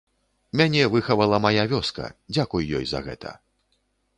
Мяне выхавала мая вёска, дзякуй ёй за гэта.